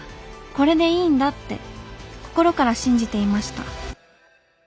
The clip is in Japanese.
これでいいんだって心から信じていました。